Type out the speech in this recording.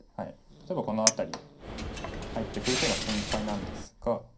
例えばこの辺り入ってくる手が心配なんですが。